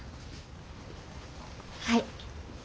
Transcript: はい。